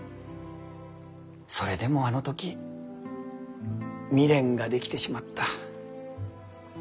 それでもあの時未練ができてしまった。